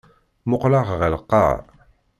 Mmuqqleɣ ɣer lqaɛa.